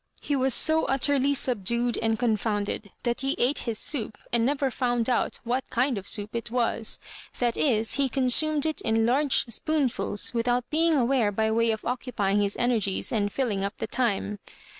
He was so utterly subdued and confounded that he ate his soup, and never found out what kind of soup it was. That is, be consumed it in large spoonfuls without being aware, by way of occupying his energies and filling up the time.